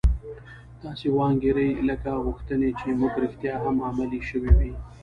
داسې وانګيرئ لکه غوښتنې چې مو رښتيا هم عملي شوې وي.